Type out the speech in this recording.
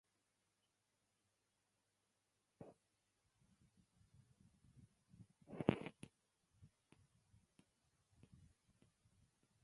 Furthermore, the Convention promotes international cooperation in the field of tourism.